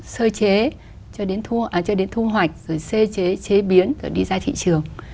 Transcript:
sơ chế cho đến thu hoạch rồi xê chế chế biến rồi đi ra thị trường